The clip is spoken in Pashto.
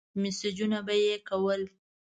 مسېجونه به يې کول.